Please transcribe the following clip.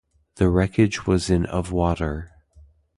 The wreckage was in of water.